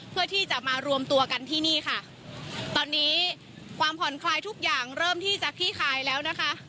เพื่อที่จะมารวมตัวกันที่นี่ค่ะตอนนี้ความผ่อนคลายทุกอย่างเริ่มที่จะคลี่คลายแล้วนะคะ